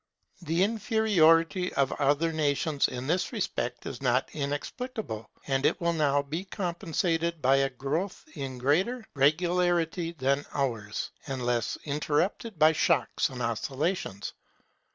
The inferiority of other nations in this respect is not inexplicable; and it will now be compensated by a growth of greater regularity than ours, and less interrupted by shocks and oscillations.